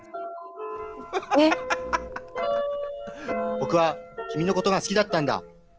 僕は君のことが好きだったんだ。